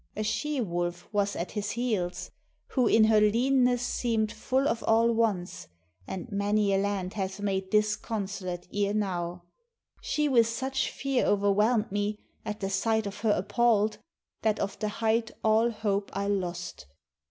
A she wolf Was at his heels, who in her leanness seem'd Full of all wants, and many a land hath made Disconsolate ere now. She with such fear O'erwhelmed me, at the sight of her appall'd, That of the height all hope I lost.